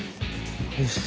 よし。